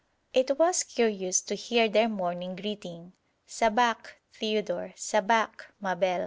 It was curious to hear their morning greeting, 'Sabakh, Theodore! Sabakh, Mabel!'